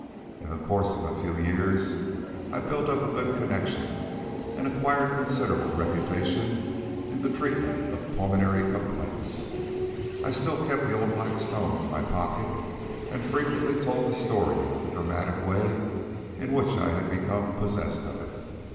In the course of a few years I built up a good connection and acquired considerable reputation in the treatment of pulmonary complaints. I still kept the old black stone in my pocket, and frequently told the story of the dramatic way in which I had become possessed of it.